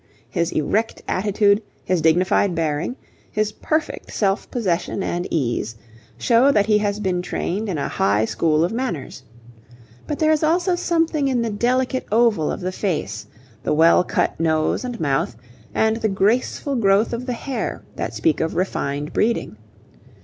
His erect attitude, his dignified bearing, his perfect self possession and ease, show that he has been trained in a high school of manners. But there is also something in the delicate oval of the face, the well cut nose and mouth, and the graceful growth of the hair, that speak of refined breeding.